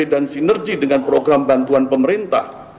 dan sinergi dengan program bantuan pemerintah